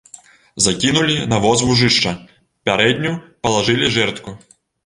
Закінулі на воз вужышча, пярэдню, палажылі жэрдку.